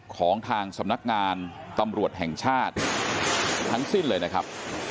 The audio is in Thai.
ของทางสำนักงานตำรวจแห่งชาติทั้งสิ้นเลยนะครับ